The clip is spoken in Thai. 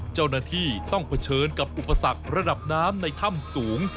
เจ้าหน้าที่ต้องเผชิญกับอุปสรรคระดับน้ำในถ้ำสูง